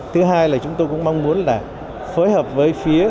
thứ hai là chúng tôi cũng mong muốn là phối hợp với phía